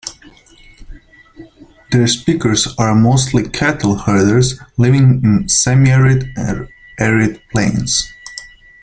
Their speakers are mostly cattle herders living in semi-arid or arid plains.